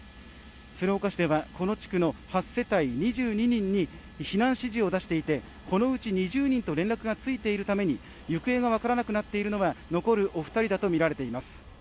鶴岡市ではこの地区の８世帯２２人に避難指示を出していて、このうち２０人と連絡がついているために行方が分からなくなっているのは残るお二人だとみられています。